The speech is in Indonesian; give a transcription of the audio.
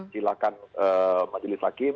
silahkan majelis hakim